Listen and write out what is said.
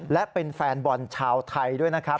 และเป็นแฟนบอลชาวไทยด้วยนะครับ